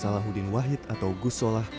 kiai haji salahuddin wahid atau gus solah